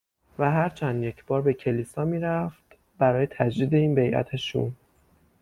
و هر چند یک بار به کلیسا می رفت برای تجدید این بیعت شوم.